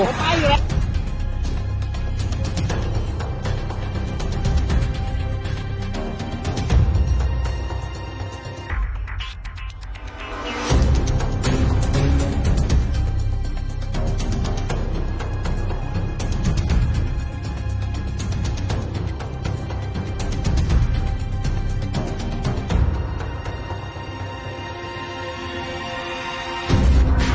ไม่ได้อยากสาธิตรับอยากรู้